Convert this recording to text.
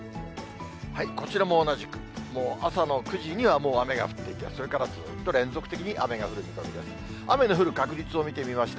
こちらも同じく、もう朝の９時にはもう雨が降っていて、それからずっと連続的に雨が降る見込みです。